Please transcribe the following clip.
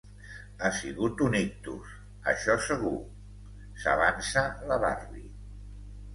Ha sigut un ictus, això segur —s'avança la barbi.